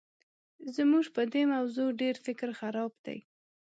زموږ په دې موضوع ډېر فکر خراب دی.